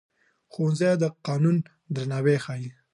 ښوونځی د قانون درناوی ښيي